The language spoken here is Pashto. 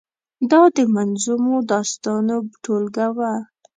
دا د منظومو داستانو ټولګه وه.